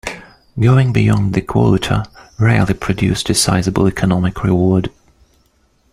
Going beyond the quota rarely produced a sizeable economic reward.